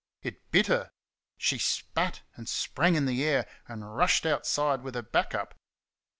It bit her. She spat and sprang in the air and rushed outside with her back up.